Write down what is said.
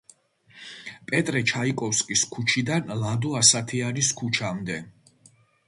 პეტრე ჩაიკოვსკის ქუჩიდან ლადო ასათიანის ქუჩამდე.